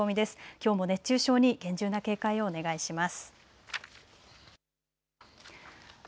きょうも熱中症に厳重な警戒をお願いします。